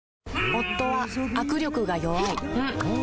夫は握力が弱い